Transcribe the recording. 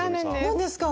何ですか？